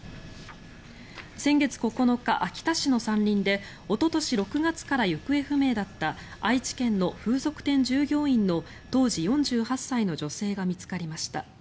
先月９日、秋田市の山林でおととし６月から行方不明だった愛知県の風俗店従業員の当時４８歳の女性が見つかりました。